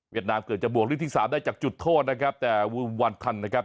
เวียดดามเกิดจะบวกลูกที่๓ได้จากจุดโทษนะครับแต่วันทันนะครับ